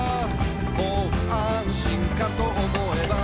「もう安心かと思えば」